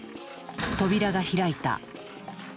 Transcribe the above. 扉が開いた。